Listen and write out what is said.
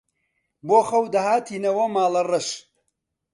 بۆ خەو دەهاتینەوە ماڵەڕەش